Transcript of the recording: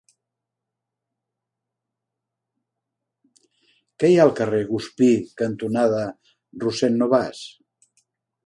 Què hi ha al carrer Guspí cantonada Rossend Nobas?